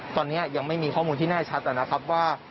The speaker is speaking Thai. ตอนนี้ยังไม่มีข้อมูลที่แน่ชัดนะครับว่า